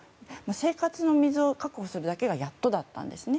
生活の水を確保するだけがやっとだったんです。